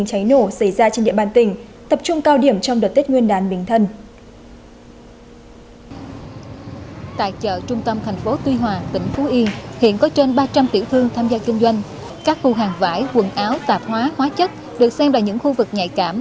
các khu hàng vải quần áo tạp hóa hóa chất được xem là những khu vực nhạy cảm